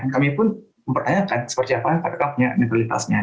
kami pun mempertanyakan seperti apa adek adeknya negeritasnya